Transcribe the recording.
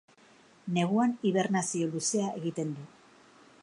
Neguan hibernazio luzea egiten du.